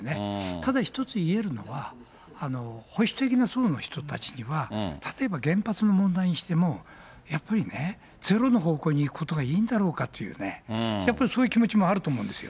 ただ一つ言えるのは、保守的な層の人たちには、例えば原発の問題にしても、やっぱりね、ゼロの方向に行くことがいいんだろうかというね、やっぱりそういう気持ちもあると思うんですよ。